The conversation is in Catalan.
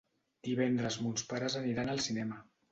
Divendres mons pares aniran al cinema.